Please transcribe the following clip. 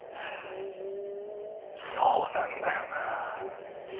そうなんだよな。